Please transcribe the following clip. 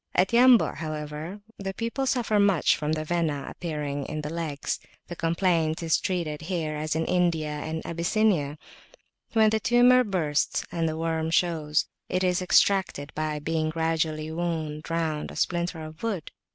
At Yambu', however, the people suffer much from the Vena appearing in the legs. The complaint is treated here as in India and in Abyssinia: when the tumour bursts, and the worm shows, it is extracted by being gradually wound round a splinter of wood.